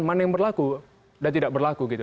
mana yang berlaku dan tidak berlaku gitu